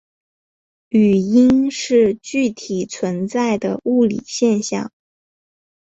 语音是具体存在的物理现象。